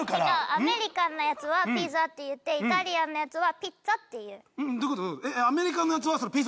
アメリカのやつはピザと言ってイタリアンのやつはピッツァって言うの？